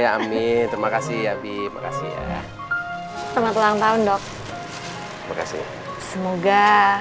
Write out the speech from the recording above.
amin terima kasih ya bi makasih ya selamat ulang tahun dok terima kasih semoga